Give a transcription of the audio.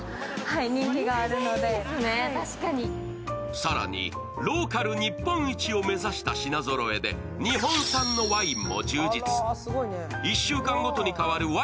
更にローカル日本一を目指した品ぞろえで日本産のワインも充実。